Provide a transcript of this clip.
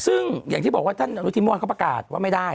ซึ่งอย่างที่บอกว่าท่านอนุทิมวลเขาประกาศว่าไม่ได้